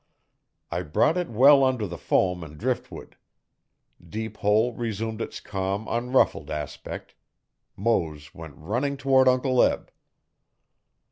I brought it well under the foam and driftwood. Deep Hole resumed its calm, unruffled aspect. Mose went running toward Uncle Eb.